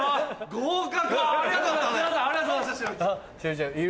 合格。